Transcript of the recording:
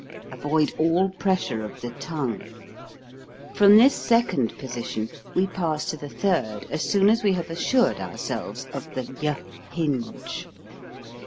Avoid all pressure of the tongue ! From this second position we pass to the third as soon as we have assured ourselves of the y hinge.